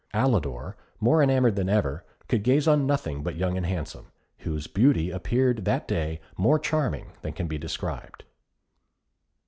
Alidor, more enamoured than ever, could gaze on nothing but Young and Handsome, whose beauty appeared that day more charming than can be described.